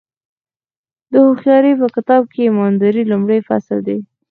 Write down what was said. د هوښیارۍ په کتاب کې ایمانداري لومړی فصل دی.